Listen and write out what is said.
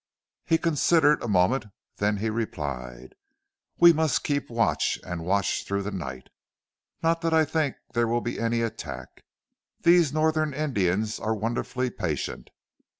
He considered a moment, then he replied: "We must keep watch and watch through the night. Not that I think there will be any attack. These Northern Indians are wonderfully patient.